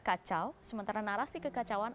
kacau sementara narasi kekacauan